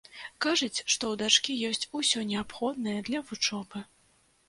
Кажуць, што ў дачкі ёсць усё неабходнае для вучобы.